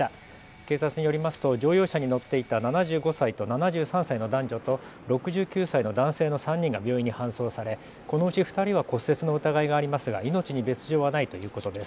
警察によりますと乗用車に乗っていた７５歳と７３歳の男女と６９歳の男性の３人が病院に搬送されこのうち２人は骨折の疑いがありますが命に別状はないということです。